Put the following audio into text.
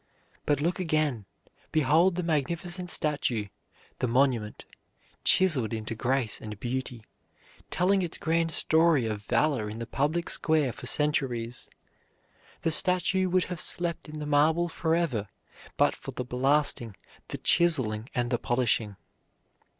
But look again: behold the magnificent statue, the monument, chiseled into grace and beauty, telling its grand story of valor in the public square for centuries. The statue would have slept in the marble forever but for the blasting, the chiseling, and the polishing.